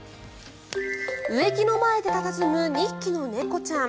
植木の前で佇む２匹の猫ちゃん。